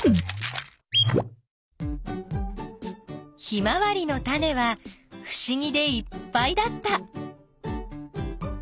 ヒマワリのタネはふしぎでいっぱいだった。